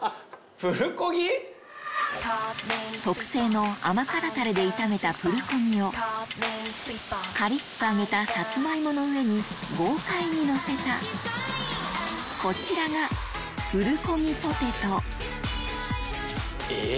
特製の甘辛タレで炒めたプルコギをカリっと揚げたサツマイモの上に豪快にのせたこちらがえ？